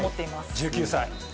１９歳。